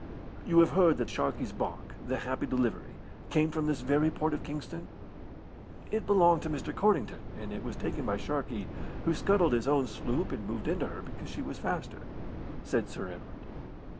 "You have heard that Sharkey's barque, the Happy Delivery, came from this very port of Kingston?" "It belonged to Mr. Codrington, and it was taken by Sharkey, who scuttled his own sloop and moved into her because she was faster," said Sir Edward.